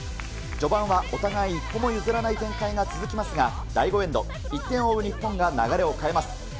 序盤はお互い一歩も譲らない展開が続きますが、第５エンド、１点を追う日本が流れを変えます。